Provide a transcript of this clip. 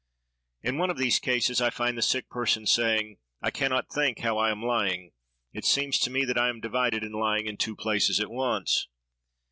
In one of these cases, I find the sick person saying, "I can not think how I am lying. It seems to me that I am divided and lying in two places at once."